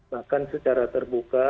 bahkan secara terbuka